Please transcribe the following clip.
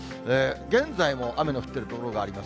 現在も雨の降っている所があります。